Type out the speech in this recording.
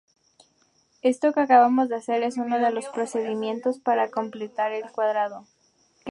Esto que acabamos de hacer es uno de los procedimientos para completar el cuadrado.